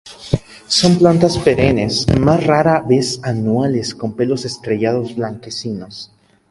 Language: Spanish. Son plantas perennes, más rara vez anuales, con pelos estrellados, blanquecinos.